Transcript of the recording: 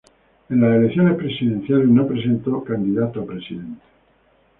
En las elecciones presidenciales no presentó candidato a presidente.